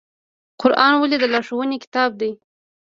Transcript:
قرآن ولې د لارښوونې کتاب دی؟